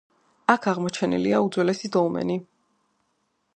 აქ აღმოჩენილია უძველესი დოლმენი.